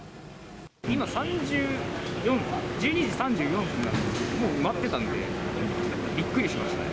今、３４分、１２時３４分なんですけど、もう埋まってたんで、びっくりしましたね。